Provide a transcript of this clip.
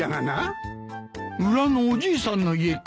裏のおじいさんの家か。